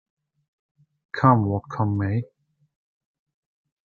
Come what come may